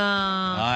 はい。